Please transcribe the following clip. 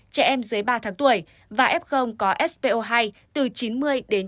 trẻ em dưới ba tháng tuổi và f có spo hai từ chín mươi đến chín mươi